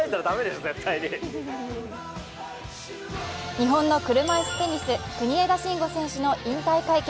日本の車いすテニス国枝慎吾選手の引退会見。